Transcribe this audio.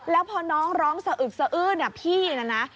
แล้วพอน้องร้องสะอึดพี่น่ะนะ